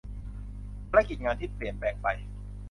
ภารกิจงานที่เปลี่ยนแปลงไป